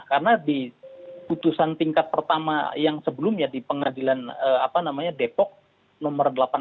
karena di putusan tingkat pertama yang sebelumnya di pengadilan depok nomor delapan belas